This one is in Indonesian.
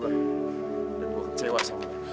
dan gua kecewa sama lu